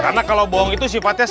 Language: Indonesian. karena kalau bohong itu sifatnya se